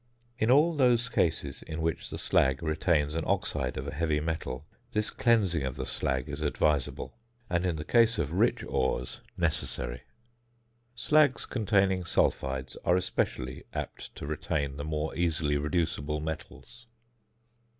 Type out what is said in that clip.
In all those cases in which the slag retains an oxide of a heavy metal, this cleaning of the slag is advisable, and in the case of rich ores necessary. Slags containing sulphides are especially apt to retain the more easily reducible metals.